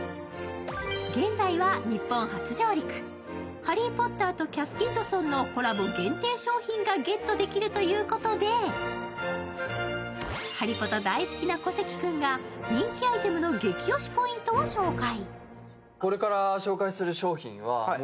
現在は日本初上陸、「ハリー・ポッター」とＣａｔｈＫｉｄｓｔｏｎのコラボ限定商品がゲットできるということで、ハリポタ大好きな小関君が人気アイテムの激推しポイントを紹介。